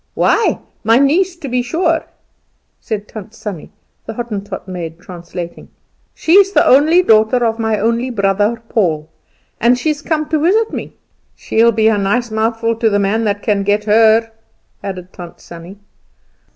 "Why, my niece, to be sure," said Tant Sannie, the Hottentot maid translating. "She's the only daughter of my only brother Paul, and she's come to visit me. She'll be a nice mouthful to the man that can get her," added Tant Sannie.